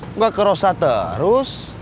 enggak ke rosa terus